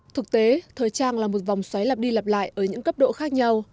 thực tế thời trang là một vòng xoáy lặp đi lặp lại ở những cấp độ khác nhau